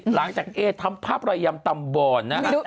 หลังจากเอทำภาพรอยยำตำบอนนะฮะ